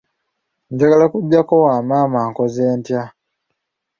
Njagala kujjako wa maama nkoze ntya?